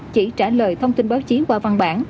chỉ trả lời thông tin báo chí qua văn bản